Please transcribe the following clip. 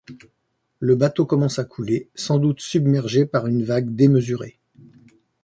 Le bateau commence à couler, sans doute submergé par une vague démesurée.